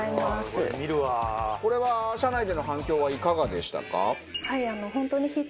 これは社内での反響はいかがでしたか？